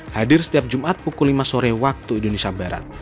hadir setiap jumat pukul lima sore waktu indonesia barat